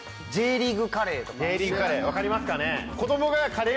Ｊリーグカレー分かりますかね？